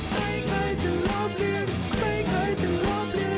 ไม่เคยจะลงหรือไม่เคยจะลงหรือ